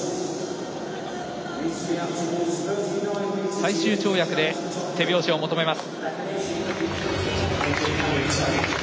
最終跳躍で手拍子を求めます。